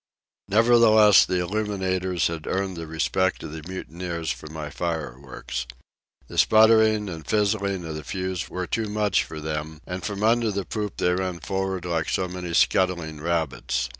Nevertheless, the illuminators had earned the respect of the mutineers for my fireworks. The sputtering and fizzling of the fuse were too much for them, and from under the poop they ran for'ard like so many scuttling rabbits.